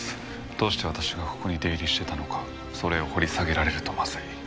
どうして私がここに出入りしてたのかそれを掘り下げられるとまずい。